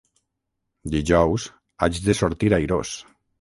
Dijous haig de sortir airós.